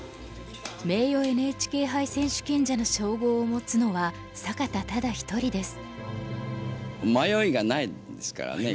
名誉ＮＨＫ杯選手権者の称号を持つのは坂田ただ一人です。